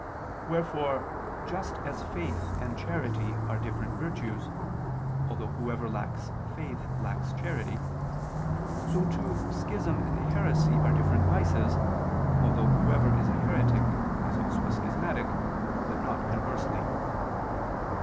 Wherefore just as faith and charity are different virtues, although whoever lacks faith lacks charity, so too schism and heresy are different vices, although whoever is a heretic is also a schismatic, but not conversely.